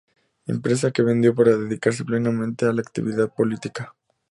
Empresa que vendió para dedicarse plenamente a la actividad política.